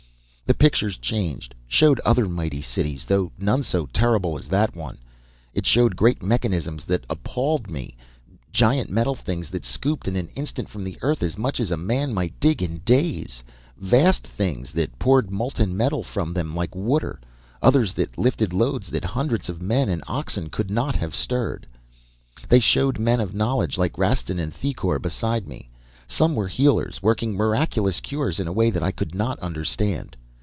"The pictures changed, showed other mighty cities, though none so terrible as that one. It showed great mechanisms that appalled me. Giant metal things that scooped in an instant from the earth as much as a man might dig in days. Vast things that poured molten metal from them like water. Others that lifted loads that hundreds of men and oxen could not have stirred. "They showed men of knowledge like Rastin and Thicourt beside me. Some were healers, working miraculous cures in a way that I could not understand.